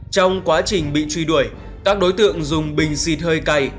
trong quá trình bị truy đuổi các đối tượng dùng bình xịt hơi cay